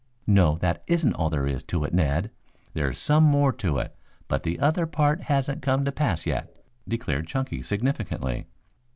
"No, that isn't all there is to it, Ned. There's some more to it, but the other part hasn't come to pass yet," declared Chunky significantly.